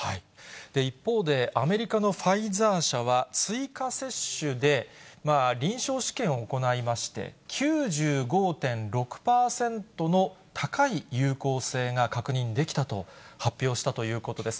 一方でアメリカのファイザー社は、追加接種で臨床試験を行いまして、９５．６％の高い有効性が確認できたと発表したということです。